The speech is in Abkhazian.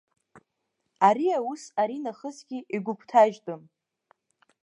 Ари аус ари нахысгьы игәыгәҭажьтәым.